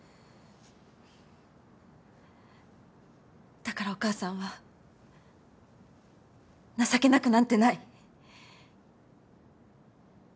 だからお母さんは情けなくなんてない。